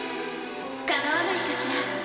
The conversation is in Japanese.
かまわないかしら？